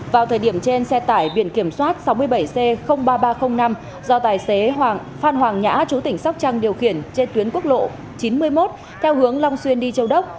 vào thời điểm trên xe tải biển kiểm soát sáu mươi bảy c ba nghìn ba trăm linh năm do tài xế hoàng phan hoàng nhã chú tỉnh sóc trăng điều khiển trên tuyến quốc lộ chín mươi một theo hướng long xuyên đi châu đốc